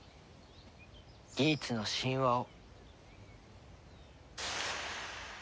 ギーツの神話を。